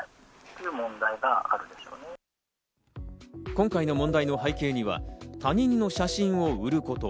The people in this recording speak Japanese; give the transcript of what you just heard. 今回の問題の背景には、他人の写真を売ること。